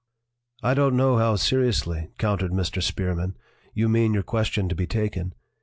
"I don't know how seriously," countered Mr. Spearman, "you mean your question to be taken.